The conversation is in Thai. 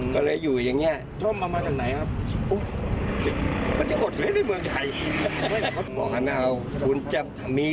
ก็เลยอยู่อย่างนี้